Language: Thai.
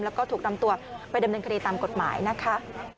แล้วก็ถูกนำตัวไปดำเนินคดีตามกฎหมายนะคะ